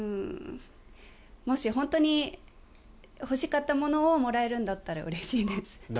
もし本当に欲しかったものをもらえるんだったらうれしいです。